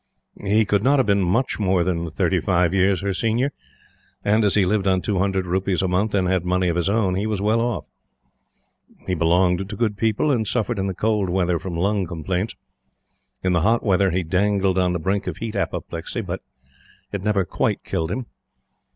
He could not have been MUCH more than thirty five years her senior; and, as he lived on two hundred rupees a month and had money of his own, he was well off. He belonged to good people, and suffered in the cold weather from lung complaints. In the hot weather he dangled on the brink of heat apoplexy; but it never quite killed him.